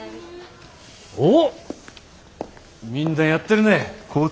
おっみんなやってるね。